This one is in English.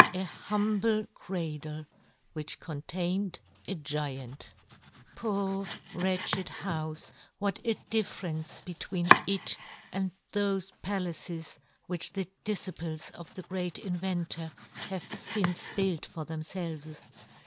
A humble cradle which contained a giant ! Poor, wretched houfe, what a difference between it and thofe pa laces which the difciples of the great inventor have fince built for them felves